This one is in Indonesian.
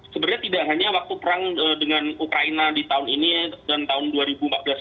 sebenarnya tidak hanya waktu perang dengan ukraina di tahun ini dan tahun dua ribu empat belas saja